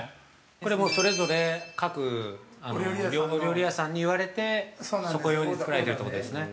◆これ、それぞれ各お料理屋さんに言われてそこ用に作られてるってことですね。